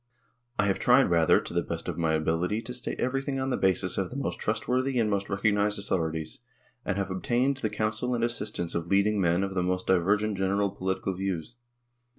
I have tried, rather, to the best of my ability to state everything on the basis of the most trustworthy and most recognised authorities, and have obtained the counsel and assistance of leading men of the most divergent general political views.